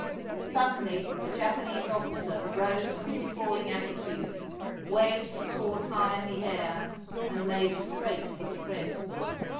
Suddenly a Japanese officer rose from his crawling attitude, waved his sword high in the air, and made straight for the crest.